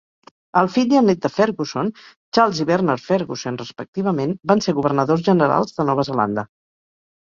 El fill i el net de Fergusson, Charles i Bernard Fergusson, respectivament, van ser governadors generals de Nova Zelanda.